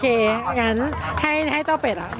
อย่างที่บอกไปว่าเรายังยึดในเรื่องของข้อ